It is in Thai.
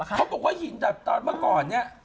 เขาบอกว่าหินดับตอนเมื่อก่อนเนี่ย